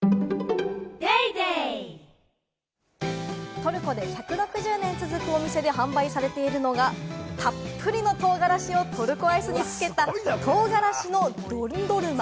トルコで１６０年続くお店で販売されてるのが、たっぷりの唐辛子をトルコアイスに付けた唐辛子のドンドルマ。